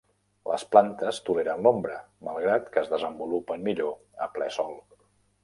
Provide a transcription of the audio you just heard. Les plantes toleren l'ombra, malgrat que es desenvolupen millor a ple sol.